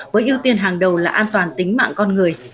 với ưu tiên hàng đầu là an toàn tính mạng con người